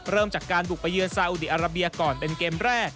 เริ่มจากการบุกไปเยือซาอุดีอาราเบียก่อนเป็นเกมแรก